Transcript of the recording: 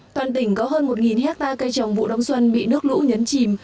toàn tỉnh có hơn một hectare cây trồng vụ đông xuân bị nước lũ nhấn chìm